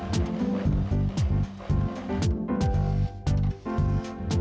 kamu mau bongkar rumah saya